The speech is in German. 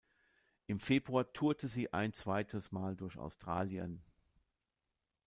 Im Februar tourte sie ein zweites Mal durch Australien.